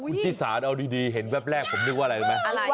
อุ๊ยที่สาวเอาดีเห็นแวบแรกผมนึกว่าอะไรใช่ไหม